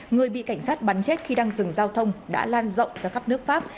người bị cảnh sát bắn chết khi đang dừng giao thông đã lan rộng ra khắp nước pháp